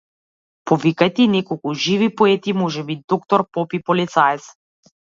Повикајте и неколку живи поети, можеби и доктор, поп и полицаец.